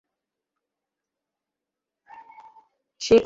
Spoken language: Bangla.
সে কারো সাথে পালিয়ে গেছে।